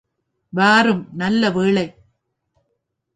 வாரும் நல்ல வேளை!